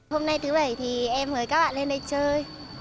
hôm nay thứ bảy thì em mời các bạn lên đây chơi